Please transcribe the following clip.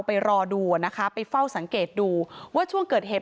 ไปรอดูอ่ะนะคะไปเฝ้าสังเกตดูว่าช่วงเกิดเหตุ